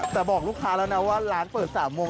แต่บอกลูกค้าแล้วนะว่าร้านเปิด๓โมง